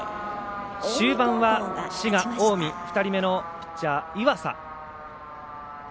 終盤は、滋賀、近江２人目のピッチャー岩佐。